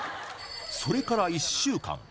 それから１週間。